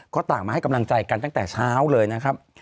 ก็ต่างมาให้กำลังใจกันตั้งแต่เช้าเลยนะครับ